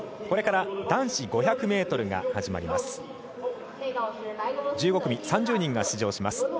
これから男子５００ｍが始まります。